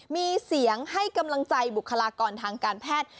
มีเสียงให้กำลังใจบุคลากรทางการแพทย์